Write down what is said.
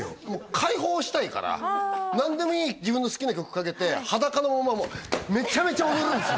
解放したいから何でもいい自分の好きな曲かけて裸のままメチャメチャ踊るんですよ